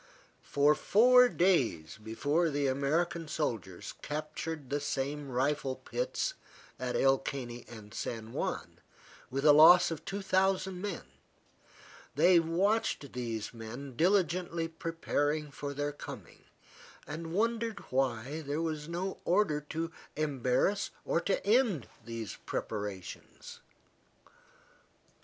For four days before the American soldiers captured the same rifle pits at El Caney and San Juan, with a loss of two thousand men, they watched these men diligently preparing for their coming, and wondered why there was no order to embarrass or to end these preparations.